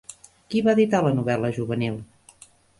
Qui va editar la novel·la juvenil?